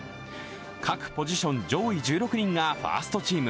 各ポジション上位１６人がファーストチーム、